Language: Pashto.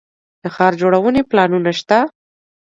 د ښار جوړونې پلانونه شته